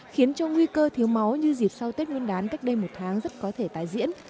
khiến cho nguy cơ thiếu máu như dịp sau tết nguyên đán cách đây một tháng rất có thể tái diễn